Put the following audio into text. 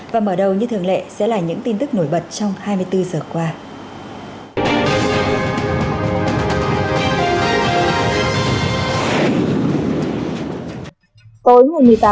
và mở đầu như thường lệ sẽ là những tin tức nổi bật trong hai mươi bốn giờ qua